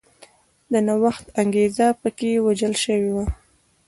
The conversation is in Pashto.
د نوښت انګېزه په کې وژل شوې وه.